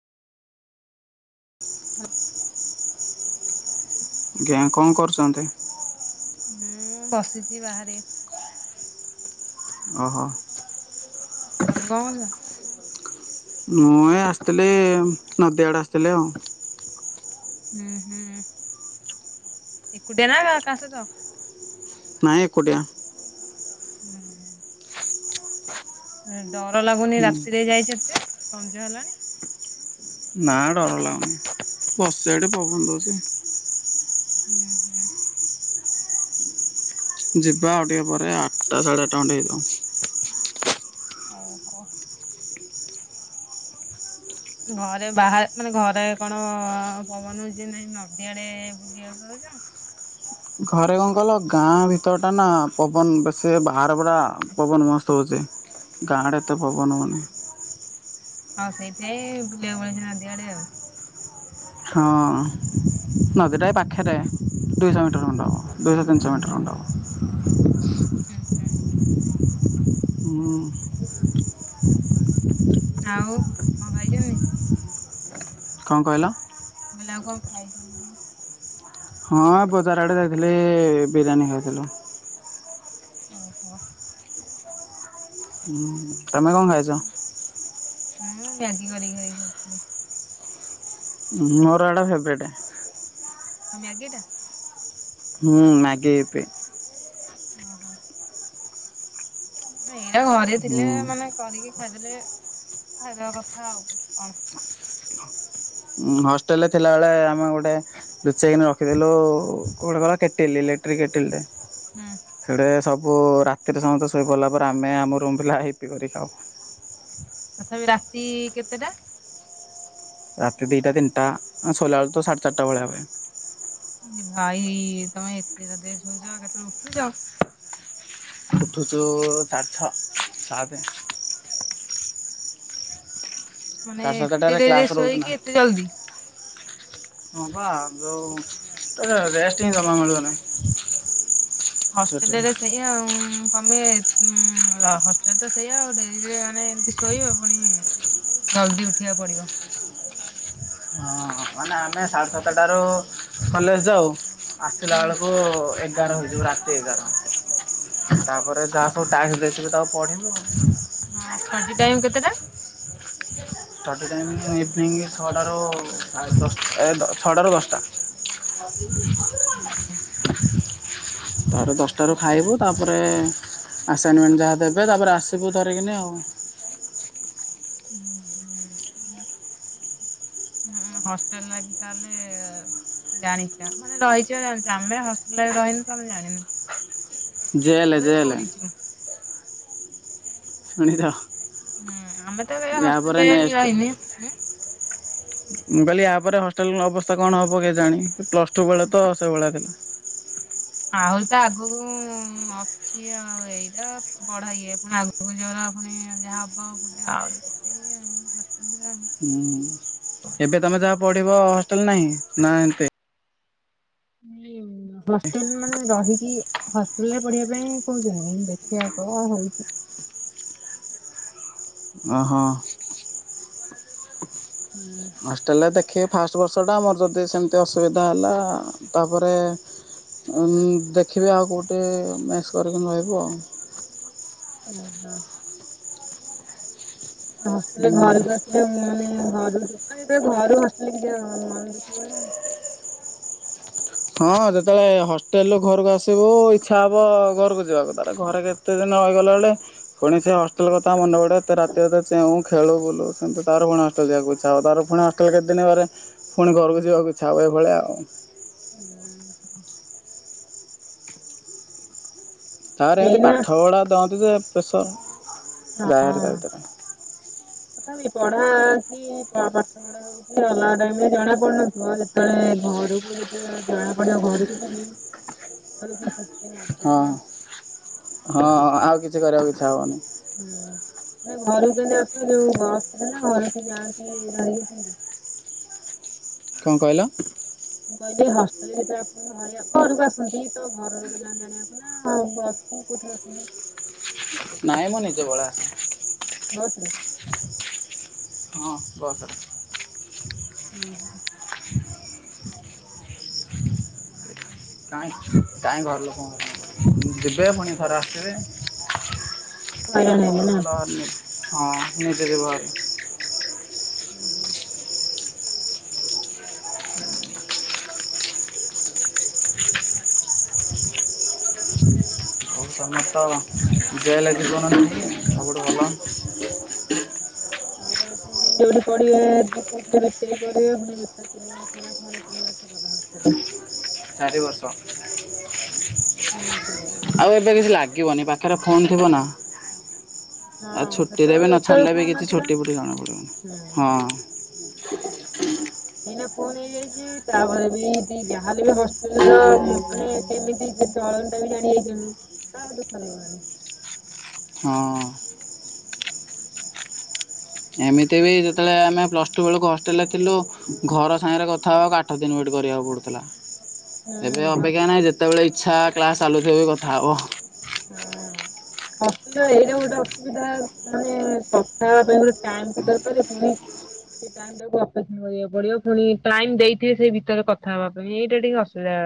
ହଁ। ଜ୍ଞା କଣ କରୁଛନ୍ତି? ହୁଁ ବସିଛି ବାହାରେ। ଅହୋ। ତମେ କଣ କରୁଛ? ମୁଁ ଏ ଆସିଥିଲି ନଦୀଆଡ଼େ ଆସିଥିଲି ଆଉ। ହୁଁ ହୁଁ ଏକୁଟିଆ ନା କା ସହିତ? ନାଇ ଏକୁଟିଆ। ହୁଁ। ଡର ଲାଗୁନି ହୁଁ ରାତିରେ ଯାଇଛ ଏତେ ସନ୍ଧ୍ୟା ହେଲାଣି। ନା ଡର ଲାଗୁନି ବସିଛି ଏଠି ପବନ ଦଉଛି। ହୁଁ ହୁଁ। ଯିବା ଆଉ ଟିକେ ପରେ ଆଟା ସାଢ଼େ ଆଟା ଖଣ୍ଡେ ହେଇଯାଉ। ଓହୋ। ଘରେ ବାହା ମାନେ ଘରେ କଣ ପବନ ହଛି ନାହିଁ ନଦିଆଡେ ବୁଲିିବାସ ଯାଉଛ? [inaudible] ଘରେ କଣ କହିଲ ଗାଁ ଭିତର ଟା ନା ପବନ ବେଶୀ ବାହାର ପୁରା ପବନ ମସ୍ତ ହଉଛି। ଗାଁଡ଼େ ଏତେ ପବନ ହଉନି। ହଉ ସେଇଥିାଇଁ ବୁଲେଇିବାକୁ ବଳେଇ ନନ୍ତଆଡେ ଆଉ ହଁ ନଦୀଟା ଏ ପାଖେରେ। ଦୁଇଶହ ମିଟର ଖଣ୍ଡ ହବ ଦୁଇଶ ତିନିଶ ମିଟର ଖଣ୍ଡ ହୁଁ ହୁଁ। ହଁ। ଆଉ କଁଅ ଖାଇଛ। କଣ କହିଲ? ମୁଁ କଇଲି ଆଉ କଣ ଖାଇଚନ୍ତି? ହଁ ବଜାର ଆଡ଼େ ଯାଇଥିଲି ବିରିୟାନୀ ଖାଇଥିଲୁ। ଓହୋ। ହୁଁ ତମେ କଣ ଖାଇଚ। ହୁଁ ମେଗି କରିକି ଖାଇକିଆସିଥିଲି। ମୋର ଏଟା ଫେବରଟ। ହଁ ମ୍ୟାଗି ଟା। ହୁଁ ନାଗେ ଇପି। ଅଁ ହୋ। ଏଇଟା ଘରେ ଥିଲେ ହୁଁ ମାନେ କରିକି ଖାଇଦେଲେ। ଖାଇବା କଥା ଆଉ କିଛି କଣ? ହଷ୍ଟେଲ ରେ ଥିଲାବେଳେ ଆମେ ଗୋଟେ ଲୁଚେଇକିନି ରଖିଥିଲୁ କଣ କହିଲ କେଟିଲି। ଲେ ଟିରିଇ କେଟିଲି ଟେ ହୁଁ ହେଡା ସବୁ ବୁ ରାତିରେ ସମତେ ଶୋଇପଡ଼ିଲା ପରେ। ଆମେ ଆମ ରୁମ୍ ପିଲା ଇପି କରି ଖାଉ। ପି କେତେଟା। ରାତି ଦୁଇଟା ତିନିଟା ଆମେ ସୋଇଲାବେଳେ ତ ସାଢ଼େ ଚାରିଟା ଭଳିଆ ହେବେ। ଏ ଭାଇ ତମେ ଏତେ ରାତିରେ ଶୋଉଚ କେତେବେଳେ ଉଠୁଚ। ଉଠୁଚୁ ସାଢେ ଛଅ ସାତ। ମାନେ ସାଢ଼େ ଏତେ ସାତଟାରେ ଡେରୀରେ କ୍ଲାସ୍ ରହୁଛୁ ସୋଇକି ଏତେ ଜଲଦି ହ ପା ଯୋଉ ଆ ରେଷ୍ଟ ହିଁ ଜମା ମିଳୁନି। ହଷ୍ଟେଲ ସେଠି ରେ ସେଇଆ ଆଉ। ତମେ ଉଁ ଲ ହଷ୍ଟେଲ ତ ସେଇଆ ଆଉ ଡେରିରେ ମାନେ ଏମତି ଶୋଇବେ। ପୁଣି ଜଲଦି ଉଠିବାକୁ ପଡିବ। ହଁ। ମାନେ ଆମେ ସାଢ଼େ ସାତଟାରୁ କଲେଜ ଯାଉ। ଆସିଲା ହୁଁ ବେଳକୁ ଏ ଏଗାର ହେଇଯିବ ରାତି ଏଗାର ତାପରେ ଯାହା ସବୁ ଟାକ୍କ ଦେଇଥିବେ ତାକୁ ପଢ଼ିବୁ। ହଁ ଷ୍ଟଡି ଟାଇମ କେତେଟା। ଟାଇମ ଇଭିନିଂ ଛଟାରୁ ଦଶ ଏ ଛଅଟାରୁ ଦଶଟା। ହୁଁ ହୁଁ। ତାପରେ ଦଶଟାରୁ ଖାଇବୁ। ତାପରେ ଆସାଇନମେଣ୍ଟ ଯାହା ଦେବେ ତାପରେ ଆସିବୁ ଧରିକିନି ଆଉ। ଉଁ ହୁଁ ଉଁ। ହୁଁ ହଷ୍ଟେଲ ଲାଗି ତାହେଲେ ଜାଣିଚ ମାନେ ରହିଚ ଜାଣିଚ। ଆମେ ହଷ ରହିନୁ ତ ଜାଣିନୁ। ଜେଲେ ତଥାପି ଜେଲେ। ଶୁଣିଛୁ। ଶୁଣିଥା ହୁଁ ଆମେ ତ ଏବେ ଏ ହଷ୍ଟେଲରେ ବି ନେକ୍ସଟ ରହିନେ ଉଁ। ମୁଁ କହିଲି ୟାପରେ ହଷ୍ଟେଲର ଅବସ୍ଥା କଣ ହବ କେଜାଣି ପ୍ଲସ ଟୁ ବେଳେ ତ ସେଇଭଳିଆ ଥିଲା। ହ ଆହୁରି ତ ଆଗକୁ ଅଛି ଆଉ ଏଇଟା ପଢା ଇଏ ପୁଣି ଆଗକୁ ଜୋଉରା ଣି ଯାହା ହବ ପୁଣି ଆହୁରି କେତେ ଇଏ ହସ ହୁଁ ଏବେ ତମେ ଯାହା ପଢିବ ହଷ୍ଟେଲ ନାହିଁ। ନା ଏମିତି ମୁଁ କହିଲି ହଷ୍ଟେଲ ମାନେ ରହିକି ହଷ୍ଟେଲରେ ପଢିବା ପାଇଁ କହୁଛନ୍ତି ଦେଖିଆ। କଣ ହଉଚି। ଓହୋ। ହଷ୍ଟେଲ ଟା ଦେଖି ଫାଷ୍ଟ ବର୍ଷଟା ଆମର ଯଦି ସେମିତି ଅସୁବିଧା ହେଲା। ତାପରେ ଉଁ ଦେଖିବି ଆଉ କେଉଠି ମେସ୍ କରିକି ରହିବୁ ଆଉ। ଓ ହୋ। ହଷ୍ଟେଲରେ ହୁଁ ଘରକୁ ଆସିଲେ ମୁଁ ମାନେ ଘରୁ ଦୋକନ ଭିତରୁ ଘରୁ ବସିଥିଲେ କିଛି ଆଉ ମନ ଦୁଃଖ ହୁଏନି। ହଁ ଯେତେବେଳେ ହଷ୍ଟେଲ ରୁ ଘରକୁ ଆସିବୁ ଇଛା ହବ ଘରକୁ ଯିବାକୁ। ତାପରେ ଘରେ କେତେ ଦିନି ନ ଗଲା ବେଳେ ପୁଣି ସେ ହଷ୍ଟେଲ କଥା ମନେ ପଡେ ଏତେ ରାତି ଅଧ ଚେଉଁ। ଖେଳୁ ବୁଲୁ ପୁଣି ଥରେ ତାର ପୁଣି ହଷ୍ଟେଲ ଯିବାକୁ ଇଚ୍ଛା ହବ ତାର ପୁଣି ହଷ୍ଟେଲ କେତେଦିନ ପରେ ଫୁଣି ଘରକୁ ଯିବାକୁ ହବ ଏ ଏ ଭଳିଆ ଆଉ। ଉଁ ହୁଁ ଉଁ। ତାର ଏମିତି ଏଇନା ପାଠ ପଢ଼ା ଦଅନ୍ତି ଯେ ପ୍ରେସର। ଯାଏ ହେରି ହଁ। ତା ଭିତରେ। ତଥାପି ପଢା ହଉଛି ପ-ପାଠ ପଢା ହଉଛି ଅଲଗା ଟାଇମ ରେ ଜଣା ପଡୁନଥିବ ଯେତେବେଳେ ଘରୁକୁ ତାକୁ ଯେତେବେଳେ ଜଣା ପଡିବ ଘର କୁ ଯିବି ତାର କି ଖୁ ହଁ ହଁ ଆଉ କିଛି କରିବାକୁ ଇଚ୍ଛା ହବନି। ହୁଁ। ନାଇ ଘରକୁ କେମିତି ଆସୁଚୁ ଯଉ ବସରେ ନା ଘର ଲୋକ ଯାଆନ୍ତି ଧରିକି ଆସନ୍ତି? କଣ କହିଲ? ମୁଁ କହିଲି ହଷ୍ଟେଲରେ ଯାଆନ୍ତି ଆପଣ ଙ୍କୁ ଆଣିବାକୁ ଘରକୁ ଆସନ୍ତି ତ ଘର ଲୋକ ଯାଆନ୍ତି ଆଣିବାକୁ ନା ବସ କି କୋଉ ଥିରେ ଆସନ୍ତି। ନାଇଁ ମ ନିଜେ ପଳେଇ ଆସେ। ବସରେ। ହଁ ବସ ରେ। ହୁଁ ହୁଁ। କାଇଁ କାଇଁ ଘର ଲୋକ ଉଁ ଯିବେ ପୁଣିଥରେ ଆସିବେ। ଆ ହଇରାଣ ହେବେ ସବୁଠୁ ନା ଭଲ ଆହୁରି ହଁ ବୋଲି ନିଜେ ଯିବ ହେରି। ହୁଁ ହୁଁ। ଆଉ ତମର ତ ଜେଲେ ଜୀବନ ନାଇ ସବୁଠୁ ଭଲ। ଆ ପରେ ପୁଣି ଯୋଉଠି ପଢିବେ [unintelligible] ପଢିବେ ପୁଣି ଯୁକ୍ତ ତିନି ମାସ ହେଲା ପୁଣି ତିନି ମାସ ଲଗା ହଉଛି ତାହେଲେ। ଚାରି ବର୍ଷ। ହଁ ଚାରି ବର୍ଷ। ଆଉ ଏବେ କିଛି ଲାଗିବନି ପାଖରେ ଫୋନ ଥିବ ନା। ଆଉ ହଁ ଛୁଟିରେ ବି ସେତେବେଳୁ ନ ଏତେବେଳୁ ଛାଡ଼ିଲେ ବି ଫୋନ କିଛି ନଥିଲା ଛୁଟି ଫୁଟି ଜଣା ପଡ଼ିବନି ହୁଁ। ହଁ ଏଇନେ ଫୋନ ହେଇଯାଇଛି ତାପରେ ବି ଦି ଯାହା ହେଲେ ବି ହଷ୍ଟେଲ ରେ ରହିବ ମାନେ କେମିତି ଯେ ଚଳ ସେଟା ବି ଜାଣି ହେଇଯିବନି ତ ଆଉ ଦୁଖ ଲାଗିବନି। ହଁ। ଏମିତି ବି ଯେତେବେଳେ ଆମେ ପ୍ଲସ ଟୁ ବେଳୁକୁ ହଷ୍ଟେଲରେ ଥିଲୁ ଘର ସାଙ୍ଗରେ କଥା ହବାକୁ ଆଠ ଦିନ ଗୋ କରିବାକୁ ପଡ଼ୁଥିଲା। ଏବେ ହୁଁ ଅପେକ୍ଷା ନାହିଁ ଯେତେବେଳେ ଇଚ୍ଛା କ୍ଲାସ ଚାଲୁଥିବ ବି କଥା ହବ। ହଷ୍ଟେଲ ରେ ଏଇଟା ଗୋଟେ ଅସୁବିଧା ମାନେ କଥା ହବା ପାଇଁ ଗୋଟେ ଟାଇମ ଟେ ଦରକାରେ ପୁଣି ସେ ଟାଇମ ଟାକୁ ଅପେକ୍ଷା କରିବାକୁ ପଡିବ ପୁଣି ଟାଇମ ଦେଇଥିବେ ସେ ଭିତରେ କଥା ହବା ପାଇଁ ଏଇଟା ଟିକେ ଅସୁବିଧା